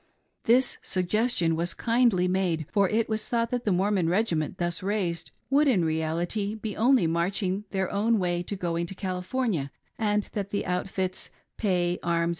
This suggestion was kindly made, for it was thought that the Mormon regi ment thus raised would in reality be only marching their own , way in going to California, and that the outfits, pay, arms, &e.